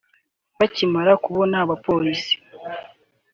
Bakimara kubona abapolisi